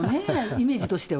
イメージとしては。